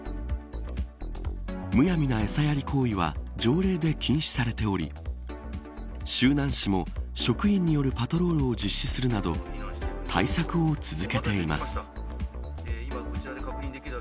むやみなエサやり行為は条例で禁止されており周南市も職員によるパトロールを実施するなど対策を続けています。